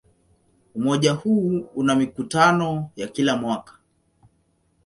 Umoja huu una mikutano ya kila mwaka.